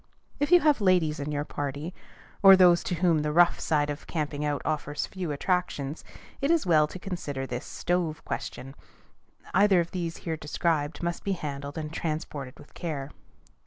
If you have ladies in your party, or those to whom the rough side of camping out offers few attractions, it is well to consider this stove question. Either of these here described must be handled and transported with care.